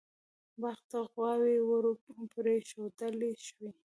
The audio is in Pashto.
باغ ته غواوې ور پرېښودل شوې.